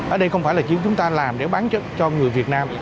ở đây không phải là chuyện chúng ta làm để bán cho người việt nam